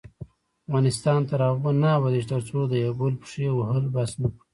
افغانستان تر هغو نه ابادیږي، ترڅو د یو بل پښې وهل بس نکړو.